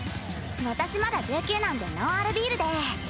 私まだ１９なんでノンアルビールで。